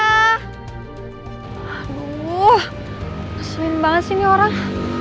aduh keselin banget sih ini orang